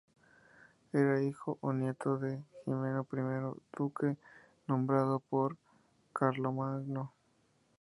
Era hijo o nieto de Jimeno I, duque nombrado por Carlomagno.